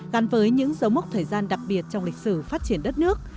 gắn với những dấu mốc thời gian đặc biệt trong lịch sử phát triển đất nước